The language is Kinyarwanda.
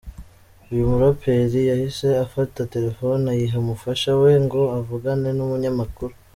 Uyu muraperi yahise afata telefone ayiha umufasha we ngo avugane n’umunyamakuru.